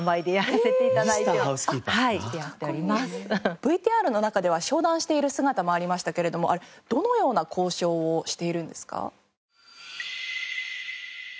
ＶＴＲの中では商談している姿もありましたけれどもどのような交渉をしているんですか？